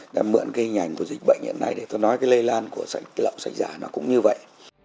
đã mượn cái hình ảnh của dịch bệnh hiện nay để tôi nói cái lây lan của sách lậu xảy ra nó cũng như vậy